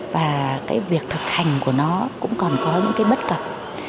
và cái việc thực hành của nó cũng còn có những cái bất cập